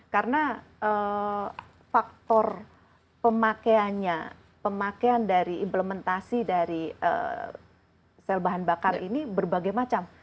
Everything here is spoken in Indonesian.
karena faktor pemakaiannya pemakaian dari implementasi dari fuel cell bahan bakar ini berbagai macam